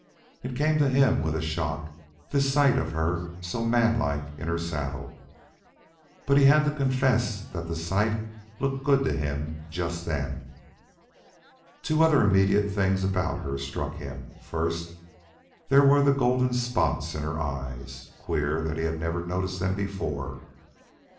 It came to him with a shock, this sight of her so manlike in her saddle. But he had to confess that the sight looked good to him just then. Two other immediate things about her struck him. First, there were the golden spots in her eyes. Queer that he had never noticed them before.